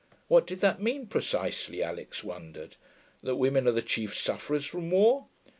What did that mean, precisely, Alix wondered? That women are the chief sufferers from war.